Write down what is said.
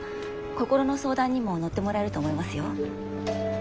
心の相談にも乗ってもらえると思いますよ。